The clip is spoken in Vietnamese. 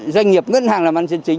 doanh nghiệp ngân hàng làm ăn chân chính